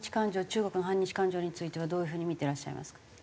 中国の反日感情についてはどういう風に見ていらっしゃいますか？